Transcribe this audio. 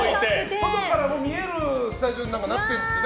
外からも見えるスタジオになっているんですね。